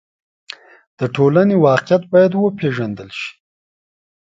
د ټولنې واقعیت باید وپېژندل شي.